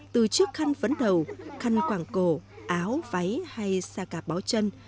từ chiếc khăn vấn đầu khăn quảng cổ áo váy hay sa cạp báo chân